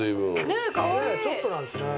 ねえちょっとなんですね。